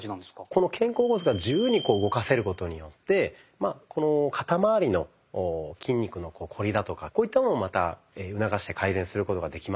この肩甲骨が自由にこう動かせることによってこの肩まわりの筋肉のこりだとかこういったものもまた促して改善することができますので。